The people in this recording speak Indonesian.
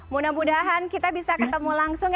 mudah mudahan kita bisa ketemu langsung